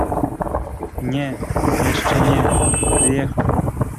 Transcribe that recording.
"„Nie, jeszcze nie; wyjechał“."